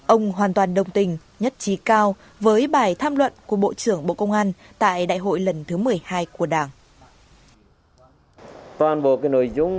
ông hoàn toàn đồng tình nhất trí cao với bài tham luận của bộ trưởng bộ công an tại đại hội lần thứ một mươi hai của đảng